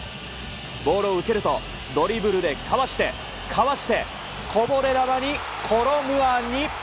ボールを受けるとドリブルでかわして、かわしてこぼれ球にコロ・ムアニ。